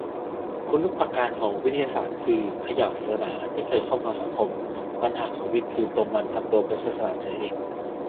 คุณูปการของวิทยาศาสตร์คือ เขย่าศาสนาที่เคยครอบงำสังคม - ปัญหาของวิทย์คือตัวมันทำตัวเป็นศาสนาเสียเอง